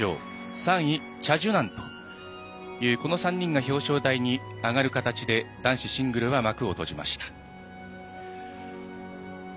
３位、チャ・ジュナンというこの３人が表彰台に上がる形で男子シングルは幕を閉じました。